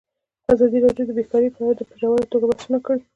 ازادي راډیو د بیکاري په اړه په ژوره توګه بحثونه کړي.